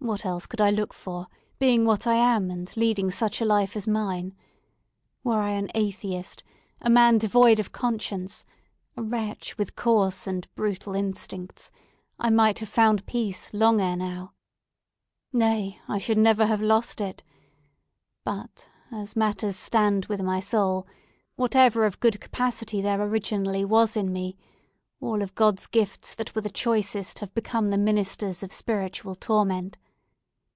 "What else could I look for, being what I am, and leading such a life as mine? Were I an atheist—a man devoid of conscience—a wretch with coarse and brutal instincts—I might have found peace long ere now. Nay, I never should have lost it. But, as matters stand with my soul, whatever of good capacity there originally was in me, all of God's gifts that were the choicest have become the ministers of spiritual torment.